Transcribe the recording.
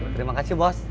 terima kasih bos